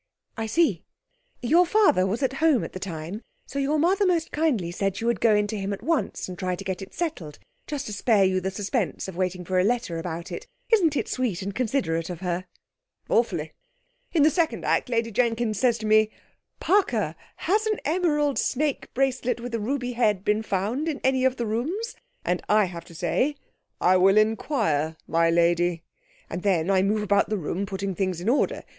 'I see. Your father was at home at the time, so your mother most kindly said she would go in to him at once, and try to get it settled, just to spare you the suspense of waiting for a letter about it. Isn't it sweet and considerate of her?' 'Awfully. In the second act, Lady Jenkins says to me, "Parker, has an emerald snake bracelet with a ruby head been found in any of the rooms?" and I have to say, "I will inquire, my lady." And then I move about the room, putting things in order.